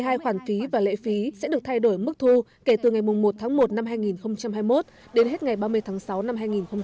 hai khoản phí và lệ phí sẽ được thay đổi mức thu kể từ ngày một tháng một năm hai nghìn hai mươi một đến hết ngày ba mươi tháng sáu năm hai nghìn hai mươi